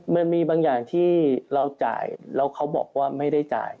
มันมีบางอย่างที่เราจ่ายแล้วเขาบอกว่าไม่ได้จ่าย